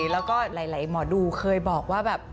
แล้วก็หลายหมอดูเคยบอกว่าแบบ